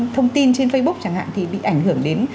thông tin trên facebook chẳng hạn thì bị ảnh hưởng đến